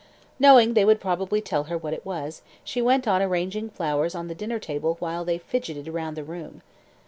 Knowing they would probably tell her what it was, she went on arranging the flowers on the dinner table while they fidgeted round the room.